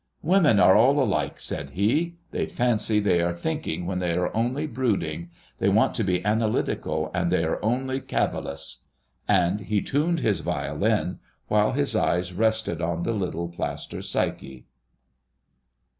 "Women are all alike," said he. "They fancy they are thinking when they are only brooding. They want to be analytical, and they are only cavilous." And he tuned his violin, while his eyes rested on the little plaster Psyche.